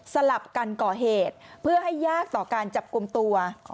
สลับกันก่อเหตุเพื่อให้ยากต่อการจับกลุ่มตัว